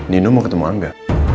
nino mau ketemu angga